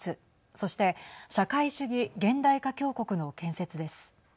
そして社会主義現代化強国の建設です。